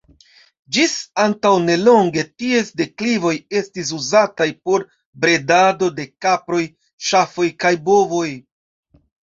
Ĝis antaŭ nelonge, ties deklivoj estis uzataj por bredado de kaproj, ŝafoj kaj bovoj.